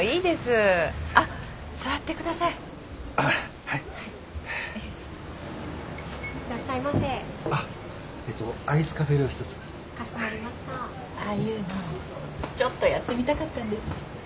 ああいうのちょっとやってみたかったんです。